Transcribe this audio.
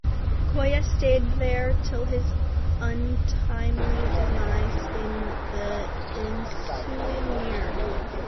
Koya stayed there till his untimely demise in the ensuing year.